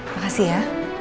ya makasih ya